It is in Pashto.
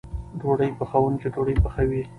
ډوډۍ پخوونکی ډوډۍ پخوي.